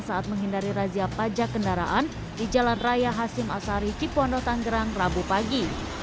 saat menghindari razia pajak kendaraan di jalan raya hasim asari cipondo tanggerang rabu pagi